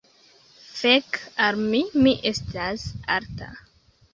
Fek' al mi! Mi estas alta.